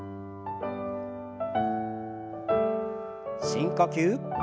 深呼吸。